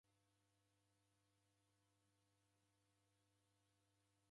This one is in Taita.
Inda rava maghi iridienyi.